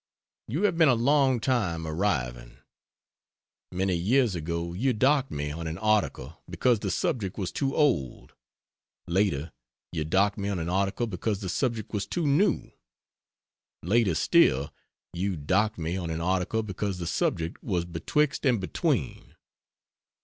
You have been a long time arriving. Many years ago you docked me on an article because the subject was too old; later, you docked me on an article because the subject was too new; later still, you docked me on an article because the subject was betwixt and between.